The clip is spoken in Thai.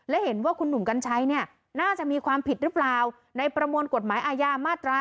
และเห็นว่าคุณหนุ่มกัญชัยเนี่ยน่าจะมีความผิดหรือเปล่าในประมวลกฎหมายอาญามาตรา๑